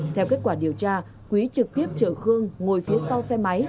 theo kết quả điều tra quý trực tiếp chở khương ngồi phía sau xe máy